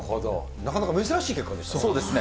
なかなか珍しい結果でしたね。